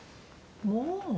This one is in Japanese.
もう？